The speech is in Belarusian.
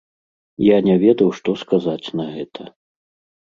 Я не ведаў, што сказаць на гэта.